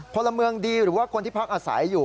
พลเมืองดีหรือว่าคนที่พักอาศัยอยู่